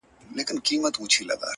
• ښه موده کيږي چي هغه مجلس ته نه ورځمه؛